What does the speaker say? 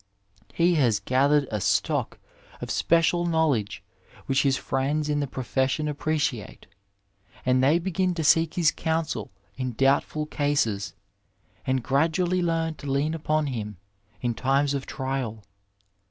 He has gathered a stock of special know ledge which his friends in the profession appreciate, and they begm to seek his counsel in doubtful cases, and gradually learn to lean upon him in times of trial.